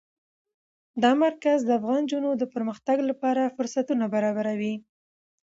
دا مرکز د افغان نجونو د پرمختګ لپاره فرصتونه برابروي.